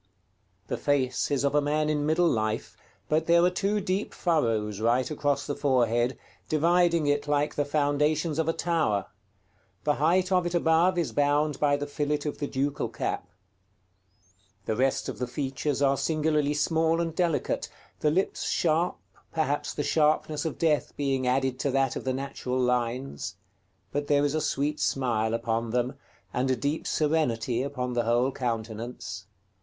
The face is of a man in middle life, but there are two deep furrows right across the forehead, dividing it like the foundations of a tower: the height of it above is bound by the fillet of the ducal cap. The rest of the features are singularly small and delicate, the lips sharp, perhaps the sharpness of death being added to that of the natural lines; but there is a sweet smile upon them, and a deep serenity upon the whole countenance.